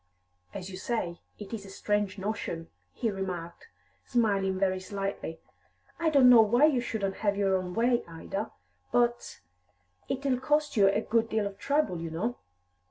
"As you say, it's a strange notion," he remarked, smiling very slightly. "I don't know why you shouldn't have your own way, Ida, but it'll cost you a good deal of trouble, you know."